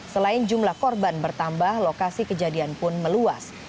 selain jumlah korban bertambah lokasi kejadian pun meluas